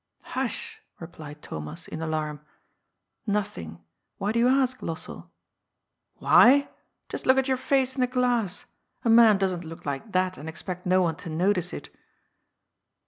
"Hush," replied Thomas in alarm. "Nothing. *Why do you ask, Lossell ?" "Why? Just look at your face in the glass ! A man doesn't look like that and expect no one to notice it."